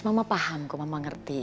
dan kalau aku worst beneran nged ''